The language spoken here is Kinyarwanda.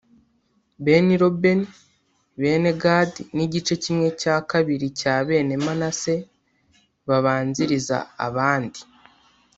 bene rubeni, bene gadi n’igice kimwe cya kabiri cya bene manase babanziriza aband.i